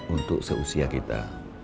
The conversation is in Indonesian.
untuk seusia kita